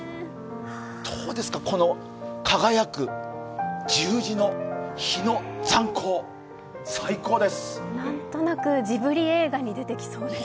どうですか、この輝く十字の日の残光、なんとなくジブリ映画に出てきそうです。